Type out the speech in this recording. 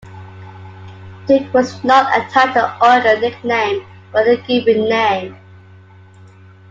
"Duke" was not a title or a nickname, but a given name.